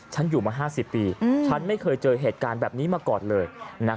ฉันอยู่มา๕๐ปีฉันไม่เคยเจอเหตุการณ์แบบนี้มาก่อนเลย